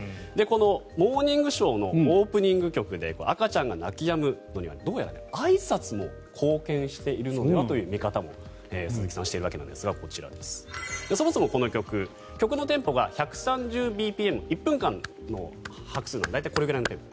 「モーニングショー」のオープニング曲で赤ちゃんが泣きやむのにはどうやらあいさつも貢献しているのではという見方も鈴木さんはしているんですがこちら、そもそもこの曲はテンポが１３０ｂｐｍ１分間の拍数が大体このくらいのテンポ。